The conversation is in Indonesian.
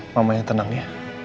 mamanya tenang ya